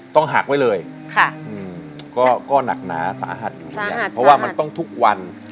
ต้องหักไว้เลยค่ะก็หนักหนาสะอาดอยู่อย่างนี้เพราะว่ามันต้องทุกวัน